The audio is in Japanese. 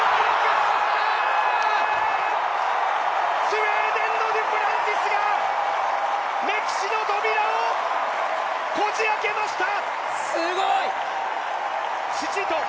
スウェーデンのデュプランティスが歴史の扉をこじ開けました！